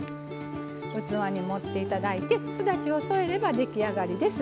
器に盛って頂いてすだちを添えれば出来上がりです。